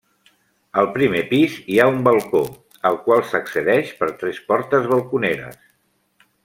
Al primer pis hi ha un balcó, al qual s'accedeix per tres portes balconeres.